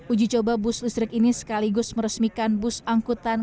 ujicoba bus listrik ini sekaligus meresmikan bus angkutan